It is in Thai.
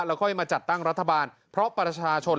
แล้วค่อยมาจัดตั้งรัฐบาล